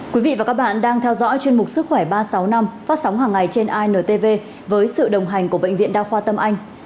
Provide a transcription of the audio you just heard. các bạn đang theo dõi chuyên mục sức khỏe ba sáu năm phát sóng hàng ngày trên intv với sự đồng hành của bệnh viện đa khoa tâm anh